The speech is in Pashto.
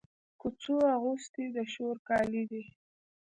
کوڅو اغوستي د شور کالي دی